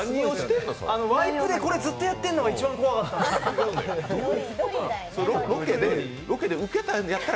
ワイプでずっとこれやっているのが、一番怖かった。